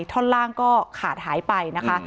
ท่อนล่างก็ขาดหายไปนะคะ